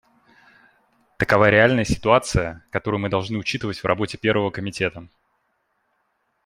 Такова реальная ситуация, которую мы должны учитывать в работе Первого комитета.